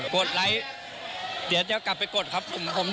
กดไลค์เดี๋ยวหลังกลอนไปกดครับ